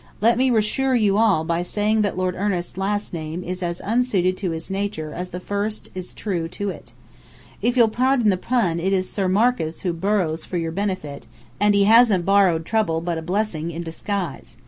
Let me reassure you all by saying that Lord Ernest's last name is as unsuited to his nature as the first is true to it. If you'll pardon the pun it is Sir Marcus who 'Borrows' for your benefit, and he hasn't Borrowed Trouble, but a Blessing in disguise.